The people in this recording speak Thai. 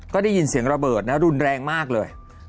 ก็ได้ยินเสียงระเบิดนะรุนแรงมากเลย